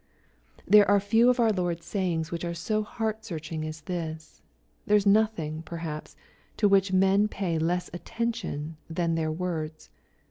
There are few of our Lord's sayings which are so heart searching as this. There is nothing, perhaps, t« which most men pay less attention than their words.